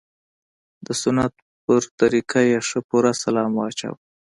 د سنت په طريقه يې ښه پوره سلام واچاوه.